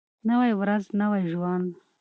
نوی ورځ نوی ژوند.